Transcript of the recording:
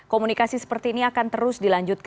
komunikasi seperti ini akan terus dilanjutkan